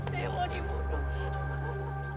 dia mau dibunuh